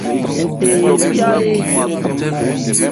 Ńthé hɛ bhya ɛ ?